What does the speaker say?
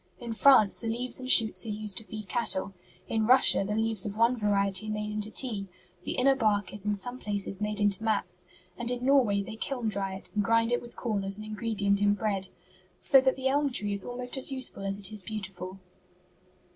In France the leaves and shoots are used to feed cattle. In Russia the leaves of one variety are made into tea. The inner bark is in some places made into mats, and in Norway they kiln dry it and grind it with corn as an ingredient in bread. So that the elm tree is almost as useful as it is beautiful."